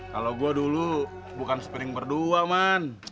kalau gue dulu bukan spiring berdua man